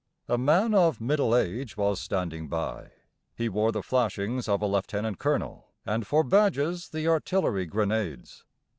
A man of middle age was standing by. He wore the flashings of a Lieutenant Colonel and for badges the Artillery grenades.